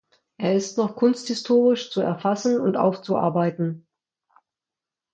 Er ist noch kunsthistorisch zu erfassen und aufzuarbeiten.